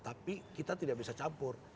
tapi kita tidak bisa campur